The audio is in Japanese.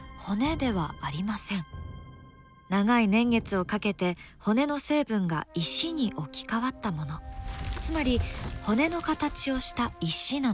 長い年月をかけて骨の成分が石に置き換わったものつまり骨の形をした石なのです。